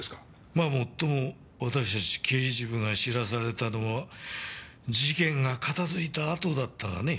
まあもっとも私たち刑事部が知らされたのは事件が片づいたあとだったがね。